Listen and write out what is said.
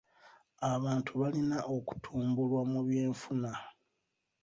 Abantu balina okutumbulwa mu by'enfuna.